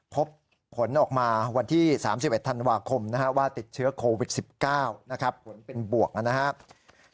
พบผลออกมาวันที่๓๑ธันวาคมว่าติดเชื้อโควิด๑๙นะครับผลเป็นบวกนะครับ